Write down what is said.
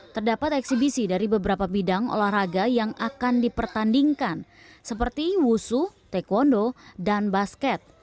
terdapat eksibisi dari beberapa bidang olahraga yang akan dipertandingkan seperti wusu taekwondo dan basket